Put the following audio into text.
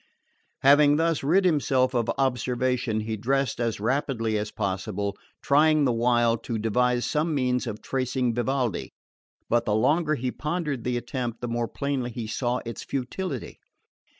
Having thus rid himself of observation he dressed as rapidly as possible, trying the while to devise some means of tracing Vivaldi. But the longer he pondered the attempt the more plainly he saw its futility.